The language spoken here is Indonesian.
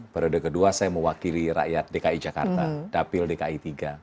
periode kedua saya mewakili rakyat dki jakarta dapil dki tiga